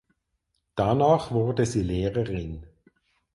Danach wurde sie Lehrerin.